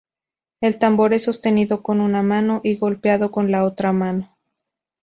El tambor es sostenido con una mano, y golpeado con la otra mano.